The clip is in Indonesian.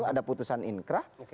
ada putusan inkra